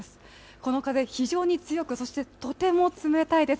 この風、非常に強く、そしてとても冷たいです。